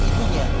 itu kan bunda hina